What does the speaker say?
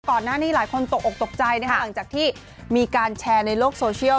ก่อนหน้านี้หลายคนตกออกตกใจนะคะหลังจากที่มีการแชร์ในโลกโซเชียล